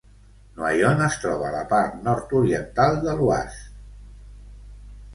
Noyon es troba a la part nord-oriental de l'Oise.